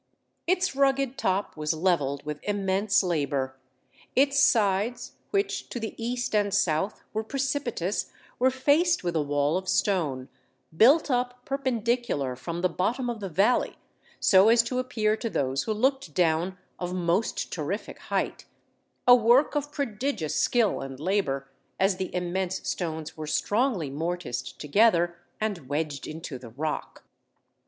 Its rugged top was levelled with immense labor; its sides, which to the east and south were precipitous, were faced with a wall of stone, built up perpendicular from the bottom of the valley, so as to appear to those who looked down of most terrific height; a work of prodigious skill and labor, as the immense stones were strongly mortised together and wedged into the rock.